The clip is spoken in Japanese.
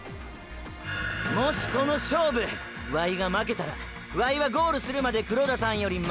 もしこの勝負ワイが負けたらワイはゴールするまで黒田さんより前には出ん。